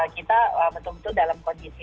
kita betul betul dalam kondisi